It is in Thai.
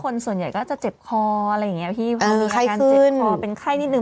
คนส่วนใหญ่ก็จะเจ็บคออะไรอย่างนี้พี่พอมีอาการเจ็บคอเป็นไข้นิดนึ